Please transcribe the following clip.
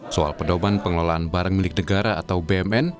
soal pedoman pengelolaan barang milik negara atau bmn